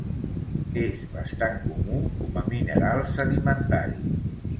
És bastant comú com a mineral sedimentari.